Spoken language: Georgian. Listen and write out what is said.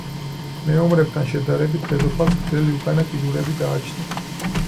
მეომრებთან შედარებით, დედოფალს გრძელი უკანა კიდურები გააჩნია.